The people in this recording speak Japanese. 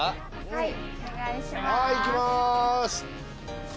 はい！